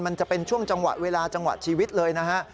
มันจะเป็นช่วงจังหวะเวลาจังหวะชีวิตเลยนะฮะ